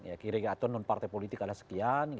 atau non partai politik ada sekian gitu ya